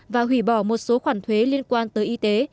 và hủy bỏ một số khoản thuế liên quan tới y tế